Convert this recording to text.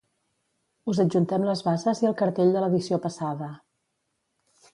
Us adjuntem les bases i el cartell de l'edició passada.